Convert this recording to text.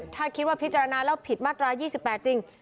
ถ้าคิดว่าพิจารณาแล้วผิดมาตรา๒๘จริง